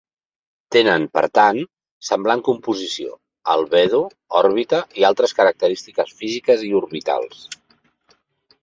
Tenen, per tant, semblant composició, albedo, òrbita i altres característiques físiques i orbitals.